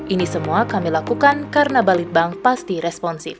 ini semua kami lakukan karena balitbank pasti responsif